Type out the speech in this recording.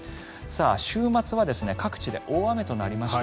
週末は各地で大雨となりました。